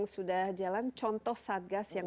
sudah jalan contoh satgas yang